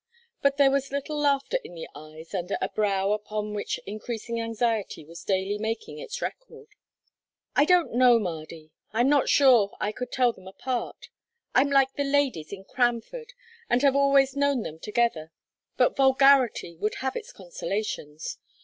But there was little laughter in the eyes under a brow upon which increasing anxiety was daily making its record. "I don't know, Mardy; I'm not sure I could tell them apart. I'm like the ladies in Cranford, and have always known them together, but vulgarity would have its consolations.